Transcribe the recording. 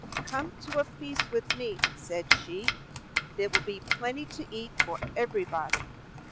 "Come to a feast with me," said she; "there will be plenty to eat for everybody."